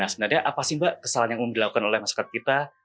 sebenarnya apa sih mbak kesalahan yang dilakukan oleh masyarakat kita